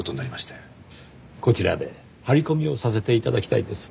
こちらで張り込みをさせて頂きたいんです。